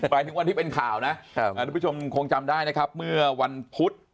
ไปถึงวันที่เป็นข่าวคุณผู้ชมคงจำได้เมื่อวันพุธ